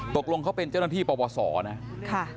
ตกลงเขาเป็นเจ้าหน้าที่ประวัติศรษฐ์นะ